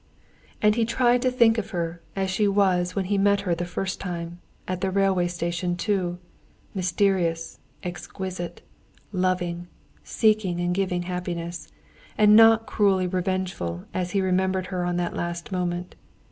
And he tried to think of her as she was when he met her the first time, at a railway station too, mysterious, exquisite, loving, seeking and giving happiness, and not cruelly revengeful as he remembered her on that last moment.